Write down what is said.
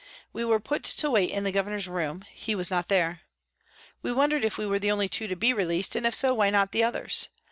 We were put to wait in the Governor's room ; he was not there. We wondered if we were the only two to be released, and if so, why not the others